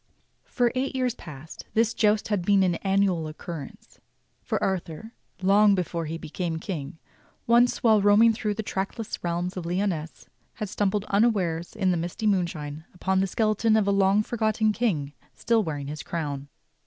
For eight years past this joust had been an annual occurrence; for Arthur, long before he became King, once while roaming through the trackless realms of Lyonesse had stumbled unawares in the misty moonshine upon the skeleton of a long forgotten king still wearing his crown.